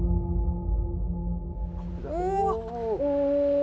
お！